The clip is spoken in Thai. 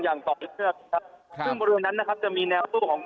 อย่างต่อให้เจอครับทั้งกรุงนั้นนั้นนะครับจะมีแนวตู้ของ